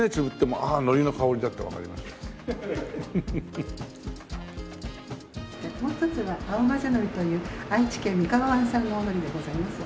もう一つは青まぜ海苔という愛知県三河湾産のお海苔でございます。